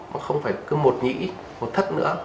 nó không phải cứ một nhĩ một thất nữa